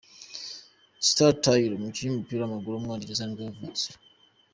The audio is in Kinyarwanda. Stuart Taylor, umukinnyi w’umupira w’amaguru w’umwongereza nibwo yavutse.